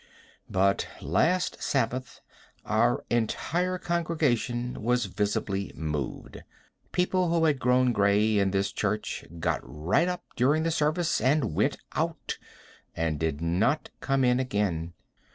But last Sabbath our entire congregation was visibly moved. People who had grown gray in this church got right up during the service and went out, and did not come in again.